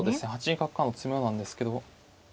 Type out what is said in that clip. ８二角からの詰めろなんですけど。